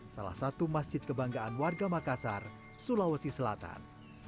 salah satu masjid kebanggaan warga makassar sulawesi selatan